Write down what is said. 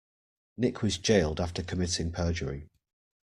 Nick was jailed after committing perjury